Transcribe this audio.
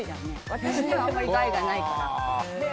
私にはあまり害がないから。